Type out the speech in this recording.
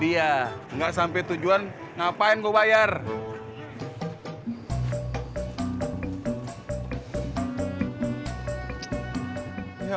yang lepaskan kitais proyect ini berakhir